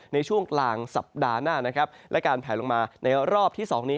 ในช่วงกลางสัปดาห์หน้านะครับและการแผลลงมาในรอบที่๒นี้